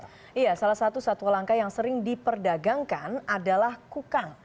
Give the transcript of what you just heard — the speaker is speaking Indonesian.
iya salah satu satwa langka yang sering diperdagangkan adalah kukang